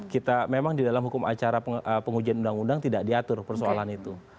kita memang di dalam hukum acara pengujian undang undang tidak diatur persoalan itu